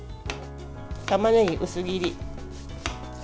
たまねぎ、薄切り。